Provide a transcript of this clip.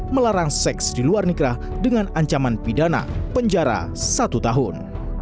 melarang seks di luar nikah dengan ancaman pidana penjara satu tahun